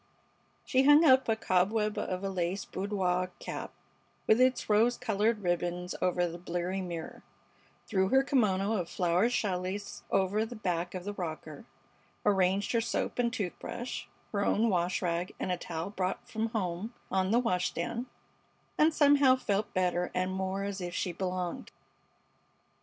She hung up a cobweb of a lace boudoir cap with its rose colored ribbons over the bleary mirror, threw her kimono of flowered challis over the back of the rocker, arranged her soap and toothbrush, her own wash rag and a towel brought from home on the wash stand, and somehow felt better and more as if she belonged.